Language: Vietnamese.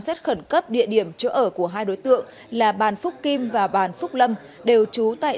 xét khẩn cấp địa điểm chỗ ở của hai đối tượng là bàn phúc kim và bàn phúc lâm đều trú tại